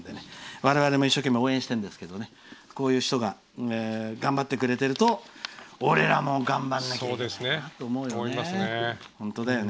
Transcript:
我々も一生懸命応援してますがこういう人が頑張ってくれてると俺らも頑張らなきゃいけないと思うよね。